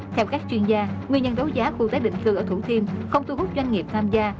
theo các chuyên gia nguyên nhân đấu giá khu tái định cư ở thủ thiêm không thu hút doanh nghiệp tham gia